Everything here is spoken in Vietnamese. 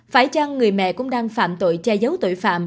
phải chăng người mẹ cũng đang phạm tội che giấu tội phạm